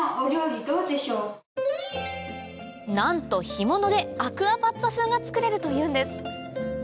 なんと干物でアクアパッツァ風が作れるというんです